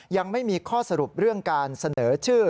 ยังไม่มีข้อสรุปเรื่องการเสนอชื่อ